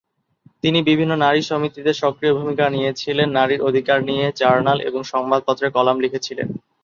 তিনি বিভিন্ন নারী সমিতিতে সক্রিয় ভূমিকা নিয়েছিলেন, নারীর অধিকার নিয়ে জার্নাল এবং সংবাদপত্রে কলাম লিখেছিলেন।